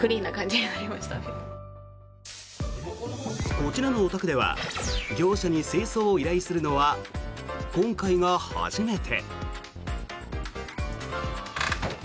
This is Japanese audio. こちらのお宅では業者に清掃を依頼するのは今回が初めて。